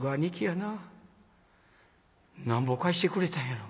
なんぼ貸してくれたんやろう。